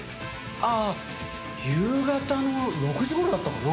ああ夕方の６時頃だったかな。